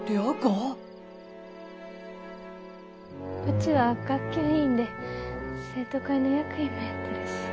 うちは学級委員で生徒会の役員もやってるし。